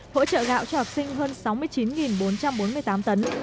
hỗ trợ gạo cho học sinh hơn sáu mươi chín bốn trăm bốn mươi tám tấn